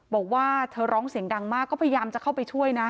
บอกว่าเธอร้องเสียงดังมากก็พยายามจะเข้าไปช่วยนะ